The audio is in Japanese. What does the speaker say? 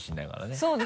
そうですよ。